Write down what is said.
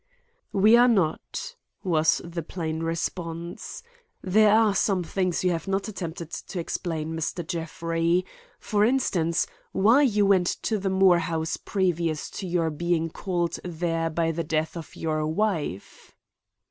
"We are not," was the plain response. "There are some things you have not attempted to explain, Mr. Jeffrey. For instance, why you went to the Moore house previous to your being called there by the death of your wife."